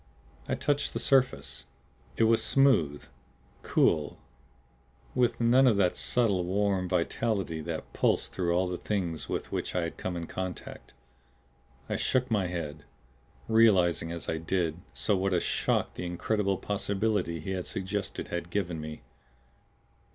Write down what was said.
I touched the surface. It was smooth, cool with none of that subtle, warm vitality that pulsed through all the Things with which I had come in contact. I shook my head, realizing as I did so what a shock the incredible possibility he had suggested had given me.